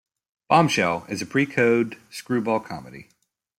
"Bombshell" is a pre-code screwball comedy.